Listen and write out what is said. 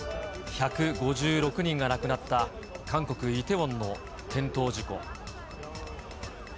１５６人が亡くなった韓国・イテウォンの転倒事故。